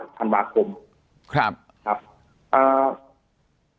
จนถึงปัจจุบันมีการมารายงานตัว